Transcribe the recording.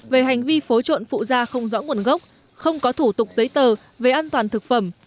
về hành vi phối trộn phụ da không rõ nguồn gốc không có thủ tục giấy tờ về an toàn thực phẩm